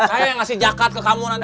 saya yang ngasih jaket ke kamu nanti